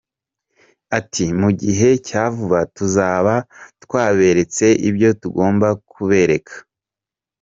Ati: “Mu gihe cya vuba tuzaba twaberetse ibyo tugomba kubereka.”